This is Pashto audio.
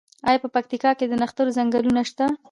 آیا په پکتیا کې د نښترو ځنګلونه شته؟